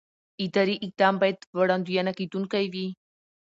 اداري اقدام باید وړاندوينه کېدونکی وي.